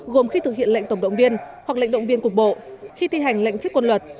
gồm khi thực hiện lệnh tổng động viên hoặc lệnh động viên cục bộ khi thi hành lệnh thiết quân luật